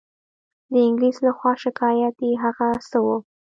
د انګلیس له خوا شکایت یې هغه څه وو.